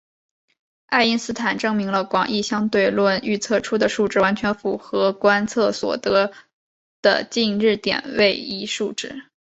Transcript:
爱因斯坦证明了广义相对论预测出的数值完全符合观测所得的近日点位移数值。